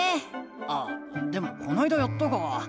あでもこないだやったか。